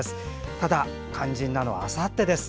ただ、肝心なのはあさってです。